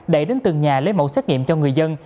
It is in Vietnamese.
để đến từng nhà lấy mẫu xét nghiệm cho người dân